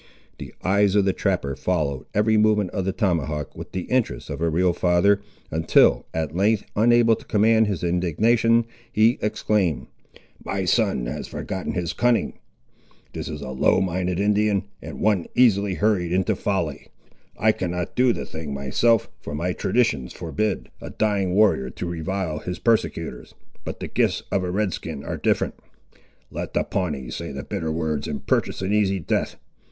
The eyes of the trapper, followed every movement of the tomahawk, with the interest of a real father, until at length, unable to command his indignation, he exclaimed— "My son has forgotten his cunning. This is a low minded Indian, and one easily hurried into folly. I cannot do the thing myself, for my traditions forbid a dying warrior to revile his persecutors, but the gifts of a Red skin are different. Let the Pawnee say the bitter words and purchase an easy death.